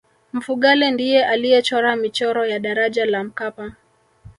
mfugale ndiye aliyechora michoro ya daraja la mkapa